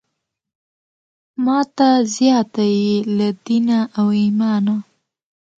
ماته زیاته یې له دینه او ایمانه.